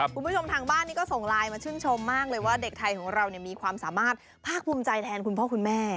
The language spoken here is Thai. คุณผู้ชมทางบ้านนี้ก็ส่งไลน์มาชื่นชมมากเลยว่าเด็กไทยของเรามีความสามารถภาคภูมิใจแทนคุณพ่อคุณแม่